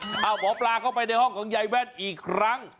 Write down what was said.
หมอปลาเข้าไปในห้องของยายแว่นอีกครั้ง